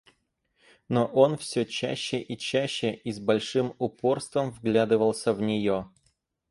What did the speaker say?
Но он всё чаще и чаще, и с большим упорством вглядывался в нее.